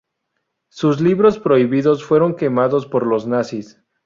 Sus libros prohibidos fueron quemados por los nazis.